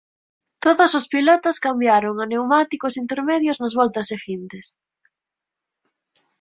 Todos os pilotos cambiaron a pneumáticos intermedios nas voltas seguintes.